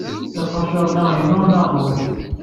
Iqaciren-a inu neɣ nwen?